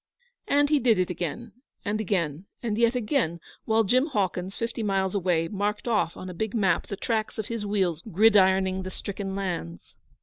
And he did it again and again, and yet again, while Jim Hawkins, fifty miles away, marked off on a big map the tracks of his wheels gridironing the stricken lands.